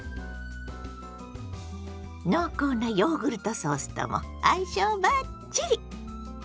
濃厚なヨーグルトソースとも相性バッチリ！